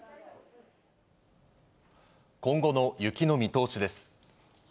今後の雪の見通しです。